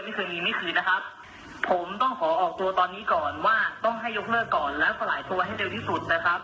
ไม่เคยมีไม่คืนนะครับผมต้องขอออกตัวตอนนี้ก่อนว่าต้องให้ยกเลิกก่อนแล้วสลายตัวให้เร็วที่สุดนะครับ